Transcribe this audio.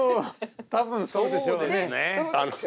多分そうですよね。